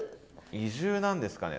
移住なんですかね。